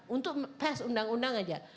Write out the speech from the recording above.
untuk pers undang undang aja